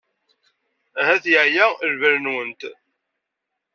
Ahat yeɛya lbal-nwent.